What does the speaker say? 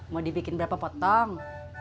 mau dibikin berapa potong